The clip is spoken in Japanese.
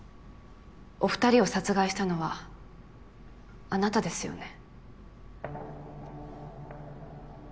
お２人を殺害したのはあなたですよね。